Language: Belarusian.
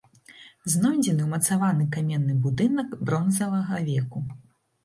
Знойдзены ўмацаваны каменны будынак бронзавага веку.